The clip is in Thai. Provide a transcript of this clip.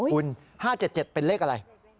คุณ๕๗๗เป็นเลขอะไร